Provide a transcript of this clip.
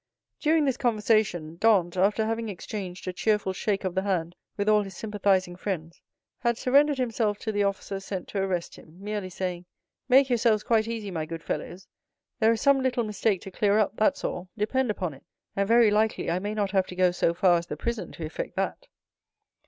During this conversation, Dantès, after having exchanged a cheerful shake of the hand with all his sympathizing friends, had surrendered himself to the officer sent to arrest him, merely saying, "Make yourselves quite easy, my good fellows, there is some little mistake to clear up, that's all, depend upon it; and very likely I may not have to go so far as the prison to effect that."